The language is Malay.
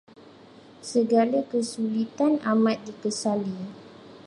Segala kesulitan amat dikesali.